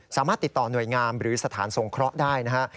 สามารถติดต่อหน่วยงามหรือสถานสงเคราะห์ได้นะฮะ